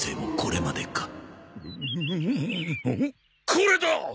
これだ！